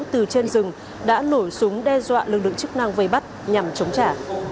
từ trên rừng đã nổ súng đe dọa lực lượng chức năng vây bắt nhằm chống trả